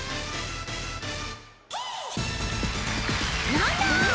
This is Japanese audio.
なんだ？